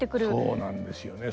そうなんですよね。